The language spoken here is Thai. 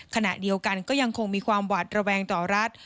ขณะเดียวกันก็ยังคงมีความหวาดระแวงต่อรัฐ